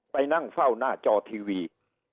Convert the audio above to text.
ไปนั่งเฝ้าหน้าจอทีวี